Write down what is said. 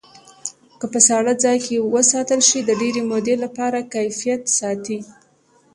که په ساړه ځای کې وساتل شي د ډېرې مودې لپاره کیفیت ساتي.